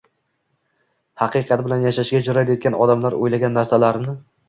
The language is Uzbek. “Haqiqat bilan yashashga” jur’at etgan odamlar, o‘ylagan narsalarini